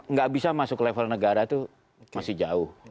nggak bisa masuk level negara itu masih jauh